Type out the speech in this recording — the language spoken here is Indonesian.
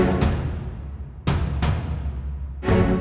nanti kalau udah sembuh